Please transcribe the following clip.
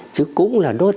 chứ cũng là đốt than